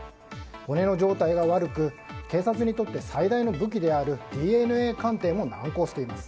骨の状態が悪く警察にとって最大の武器であるＤＮＡ鑑定も難航しています。